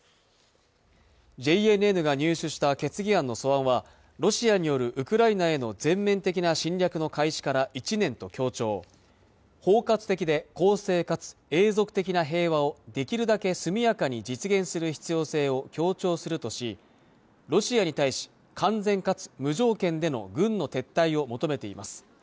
ＪＮＮが入手した決議案の素案はロシアによるウクライナへの全面的な侵略の開始から１年と強調包括的で公正かつ永続的な平和をできるだけ速やかに実現する必要性を強調するとしロシアに対し完全かつ無条件での軍の撤退を求めています